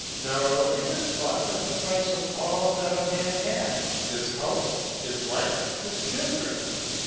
No, it is bought with the price Of all that a man hath, his house, his wife, his children.